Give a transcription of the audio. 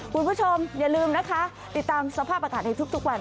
คุณผู้ชมอย่าลืมนะคะติดตามสภาพอากาศในทุกวัน